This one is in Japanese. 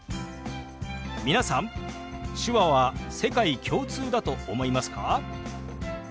皆さん手話は世界共通だと思いますか？